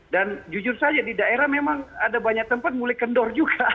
dan jujur saja di daerah memang ada banyak tempat mulai kendor juga